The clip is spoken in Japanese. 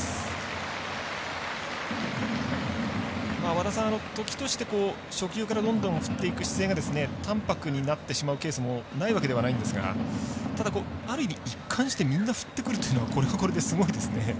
和田さん、時として初球からどんどん振っていく姿勢が淡泊になってしまうケースもないわけではないんですがある意味、一貫してみんな振ってくるというのはこれはこれですごいですね。